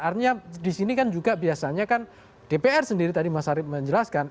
artinya disini kan juga biasanya kan dpr sendiri tadi mas harif menjelaskan